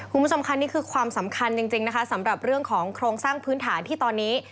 คุณผู้ชมค่ะนี่คือความสำคัญจริงนะคะสำหรับเรื่องของโครงสร้างพื้นฐานที่ตอนนี้